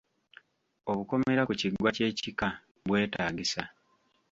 Obukomera ku kiggwa ky’ekika bwetaagisa.